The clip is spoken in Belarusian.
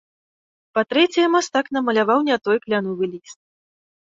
Па-трэцяе, мастак намаляваў не той кляновы ліст.